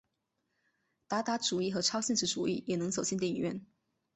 达达主义和超现实主义也能走进电影院。